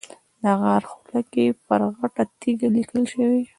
د غار خوله کې پر غټه تیږه لیکل شوي.